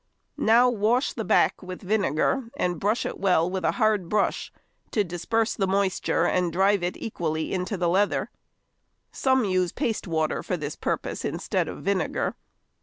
Now wash the back with vinegar, and brush it well with a hard brush to disperse the moisture and drive it equally into the leather; some use paste water for this purpose instead of vinegar.